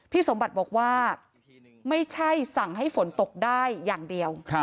สมบัติบอกว่าไม่ใช่สั่งให้ฝนตกได้อย่างเดียว